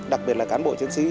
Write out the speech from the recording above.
đặc biệt là cán bộ chiến sĩ